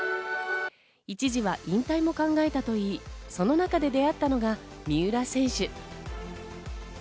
一時は引退も考えたといい、その中で出会ったのが三浦選手。